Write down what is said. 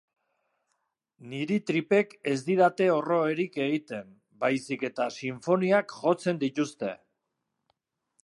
Niri tripek ez didate orroerik egiten, baizik eta sinfoniak jotzen dituzte.